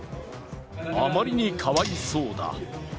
あまりにかわいそうだ。